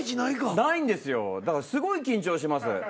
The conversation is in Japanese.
ないんですよだからすごい緊張します。